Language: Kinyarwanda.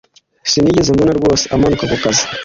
sinigeze mbona rwose amanuka ku kazi